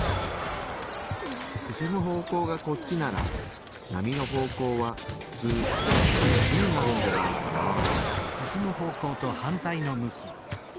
進む方向がこっちなら波の方向はふつうこっちになるんじゃないかなぁ。